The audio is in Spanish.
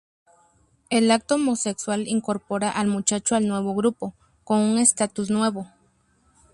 El acto homosexual incorpora al muchacho al nuevo grupo, con un estatus nuevo.